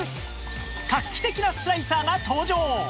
画期的なスライサーが登場！